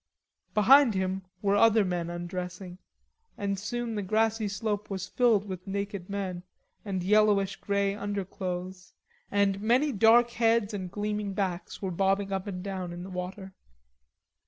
Behind him were other men undressing, and soon the grassy slope was filled with naked men and yellowish grey underclothes, and many dark heads and gleaming backs were bobbing up and down in the water.